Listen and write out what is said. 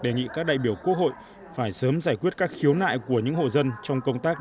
đề nghị các đại biểu quốc hội phải sớm giải quyết các khiếu nại của những hộ dân trong công tác